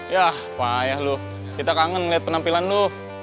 yah payah lo kita kangen liat penampilan lo